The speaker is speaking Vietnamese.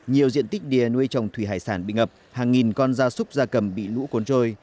nhiều diện tích đìa nuôi trồng thủy hải sản bị ngập hàng nghìn con da súc da cầm bị lũ cuốn trôi